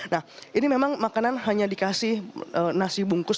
nah ini memang makanan hanya dikasih nasi bungkus